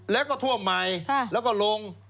และท่วมใหม่